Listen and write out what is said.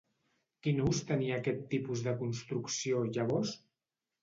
Quin ús tenia aquest tipus de construcció, llavors?